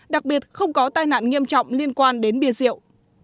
đặc biệt không có tai nạn nghiêm trọng liên quan đến bia rượu